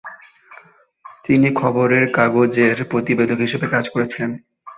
তিনি খবরের কাগজের প্রতিবেদক হিসাবে কাজ করেছিলেন।